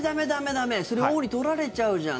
駄目それ、王に取られちゃうじゃん！